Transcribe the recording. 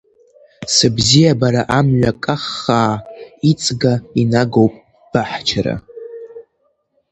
Сыбзиабара амҩа каххаа, иҵга инагоуп ббаҳчара.